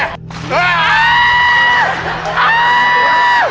เอามานี่